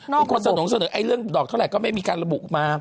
เป็นคนเสนอเรื่องดอกเท่าไหร่ก็ไม่มีการระบุมา